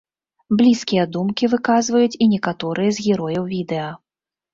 Блізкія думкі выказваюць і некаторыя з герояў відэа.